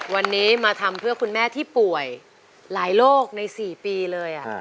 วันนี้มาทำเพื่อคุณแม่ที่ป่วยหลายโรคใน๔ปีเลย